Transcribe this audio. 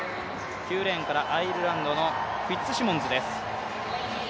９レーンからアイルランドのフィッツシモンズです。